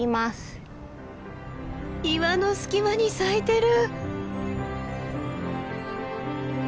岩の隙間に咲いてる！